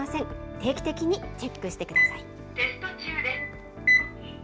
定期的にチェックしてください。